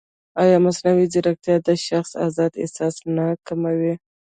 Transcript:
ایا مصنوعي ځیرکتیا د شخصي ازادۍ احساس نه کموي؟